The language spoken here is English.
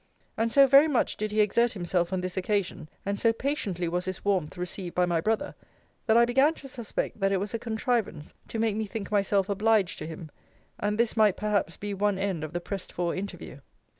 And so very much did he exert himself on this occasion, and so patiently was his warmth received by my brother, that I began to suspect, that it was a contrivance to make me think myself obliged to him; and that this might perhaps be one end of the pressed for interview.